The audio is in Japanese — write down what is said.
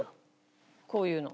こういうの。